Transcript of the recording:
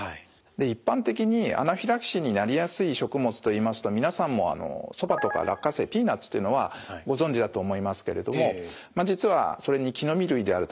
一般的にアナフィラキシーになりやすい食物といいますと皆さんもそばとか落花生ピーナツというのはご存じだと思いますけれども実はそれに木の実類であるとかですね